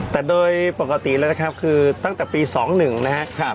แต่โดยปกติแล้วนะครับคือตั้งแต่ปี๒๑นะครับ